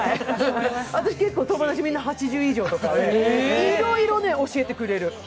私、結構友達８０以上とか、いろいろね、教えてくれる。